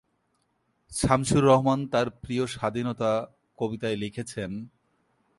শামসুর রাহমান তাঁর প্রিয় স্বাধীনতা কবিতায় লিখেছেন,